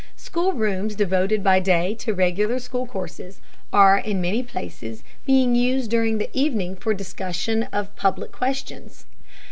Schoolrooms devoted by day to regular school courses are in many places being used during the evening for the discussion of public questions.